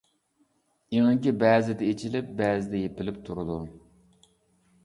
ئېڭىكى بەزىدە ئېچىلىپ بەزىدە يېپىلىپ تۇرىدۇ.